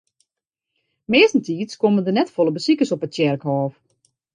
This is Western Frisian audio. Meastentiids komme der net folle besikers op it tsjerkhôf.